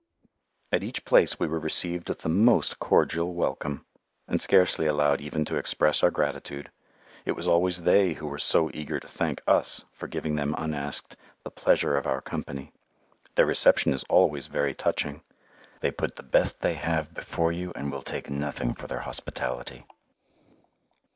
At each place we were received with the most cordial welcome, and scarcely allowed even to express our gratitude. It was always they who were so eager to thank us for giving them unasked the "pleasure of our company." Their reception is always very touching. They put the best they have before you and will take nothing for their hospitality.